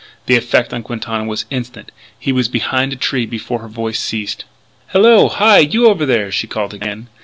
The effect on Quintana was instant; he was behind a tree before her voice ceased. "Hallo! Hi! You over there!" she called again.